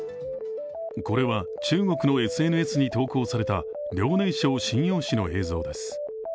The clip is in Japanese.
これは中国のＳＮＳに投稿された遼寧省瀋陽市の映像です。